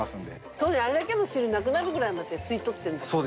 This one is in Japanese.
そうねあれだけの汁なくなるぐらいまで吸い取ってるんだもんね。